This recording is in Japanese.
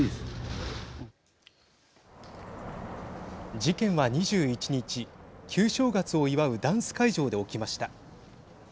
事件は２１日旧正月を祝うダンス会場で起きました。